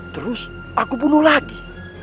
terus aku bunuh lagi